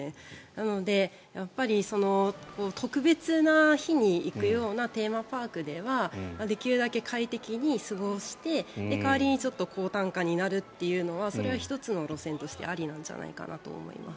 なので、特別な日に行くようなテーマパークではできるだけ快適に過ごして代わりに高単価になるというのはそれは１つの路線としてありなんじゃないかなと思います。